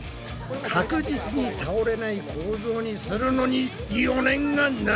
確実に倒れない構造にするのに余念がない！